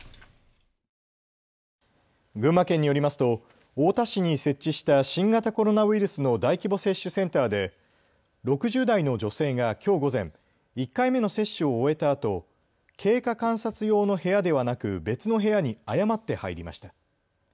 群馬県によりますと太田市に設置した新型コロナウイルスの大規模接種センターで６０代の女性がきょう午前、１回目の接種を終えたあと経過観察用の部屋ではなく別の部屋に誤って入りました。